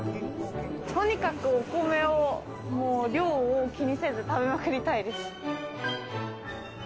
とにかくお米を、量を気にせず食べまくりたいです。